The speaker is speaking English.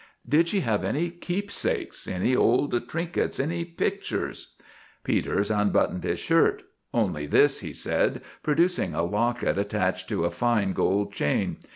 "Did she have any keepsakes, any old trinkets, any pictures?" Peters unbuttoned his shirt. "Only this," he said, producing a locket attached to a fine gold chain.